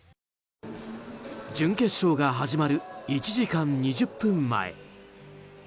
準決勝が始まる１時間２０分前。